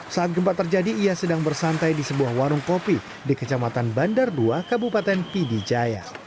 saat gempa terjadi ia sedang bersantai di sebuah warung kopi di kecamatan bandar dua kabupaten pidijaya